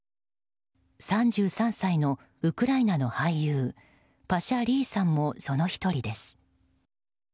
３３歳のウクライナの俳優パシャ・リーさんもその１人です。